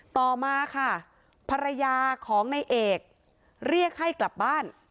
ต่อมาค่ะภรรยาของนายเอกเรียกให้กลับบ้าน